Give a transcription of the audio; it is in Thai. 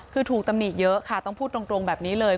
คือถูกตำหนิเยอะค่ะต้องพูดตรงแบบนี้เลย